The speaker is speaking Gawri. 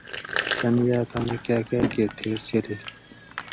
تن یاۤ تانی کاۤکاۤ کہ تھیر چلیئ